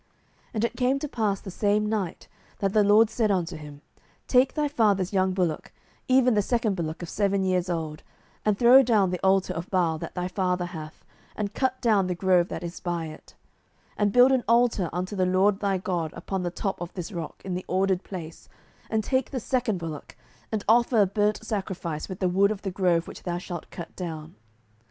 07:006:025 And it came to pass the same night, that the LORD said unto him, Take thy father's young bullock, even the second bullock of seven years old, and throw down the altar of Baal that thy father hath, and cut down the grove that is by it: 07:006:026 And build an altar unto the LORD thy God upon the top of this rock, in the ordered place, and take the second bullock, and offer a burnt sacrifice with the wood of the grove which thou shalt cut down.